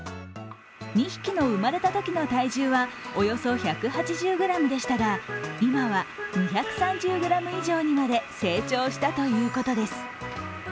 ２匹の生まれたときの体重はおよそ１８０ｇでしたが今は２３０ｇ以上にまで成長したということです。